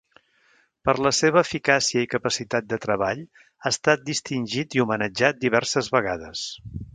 Per la seva eficàcia i capacitat de treball, ha estat distingit i homenatjat diverses vegades.